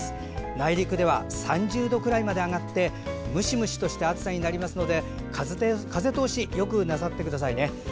内陸では３０度くらいまで上がってムシムシとした暑さになりますので風通しをよくなさってくださいね。